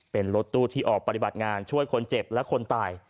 เป็นรถตู้ที่ออกปฏิบัติงานช่วยคนเจ็บและคนตาย